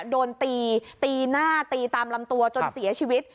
โดนตีตีหน้าตีตามลำตัวจนเสียชีวิต